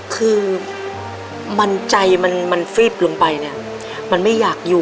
คือมันใจมันมันฟิวบ์ลงไปเนี่ย